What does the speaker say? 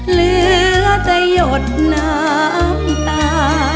เหลือจะหยดน้ำตา